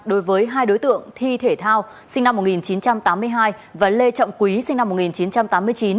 đối với hai đối tượng thi thể thao sinh năm một nghìn chín trăm tám mươi hai và lê trọng quý sinh năm một nghìn chín trăm tám mươi chín